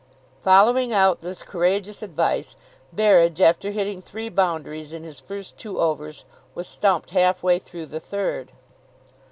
Following out this courageous advice, Berridge, after hitting three boundaries in his first two overs, was stumped half way through the third.